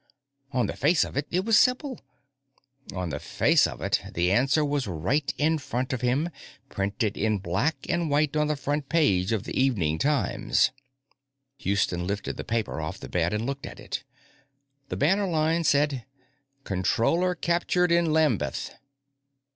On the face of it, it was simple. On the face of it, the answer was right in front of him, printed in black and white on the front page of the evening Times. Houston lifted the paper off the bed and looked at it. The banner line said: _Controller Captured in Lambeth!